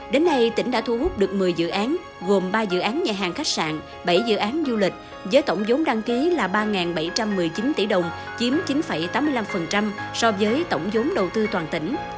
đến nay tỉnh đã thu hút được một mươi dự án gồm ba dự án nhà hàng khách sạn bảy dự án du lịch với tổng giống đăng ký là ba bảy trăm một mươi chín tỷ đồng chiếm chín tám mươi năm so với tổng giống đầu tư toàn tỉnh